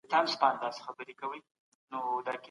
هغه وویل چې موضوع د ټول افغان ولس ګډ درد دی.